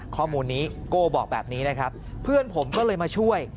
ข้อมูลนี้โก้บอกแบบนี้นะครับเพื่อนผมก็เลยมาช่วย